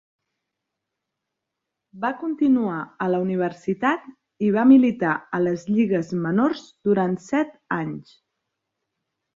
Va continuar a la universitat i va militar a les lligues menors durant set anys.